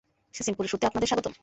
সিসিমপুরের শোতে আপনাদের স্বাগতম!